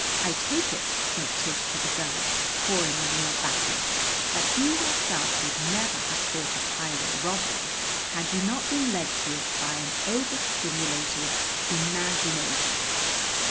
"I take it," said Tish to the girl, pouring in more batter, "that you yourself would never have thought of highway robbery had you not been led to it by an overstimulated imagination."